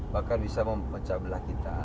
bahkan bisa mempecah belah kita